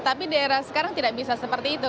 tapi di era sekarang tidak bisa seperti itu